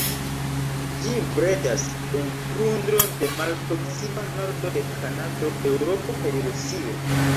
Ĝi bredas en tundro de malproksima nordo de Kanado, Eŭropo kaj Rusio.